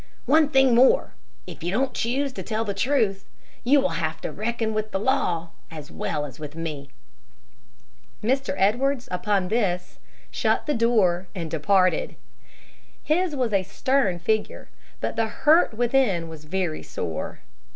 One thing more: if you don't choose to tell the truth, you will have to reckon with the law as well as with me." Mr. Edwards, upon this, shut the door and departed. His was a stern figure, but the hurt within was very sore.